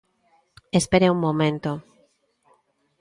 Espere un momento.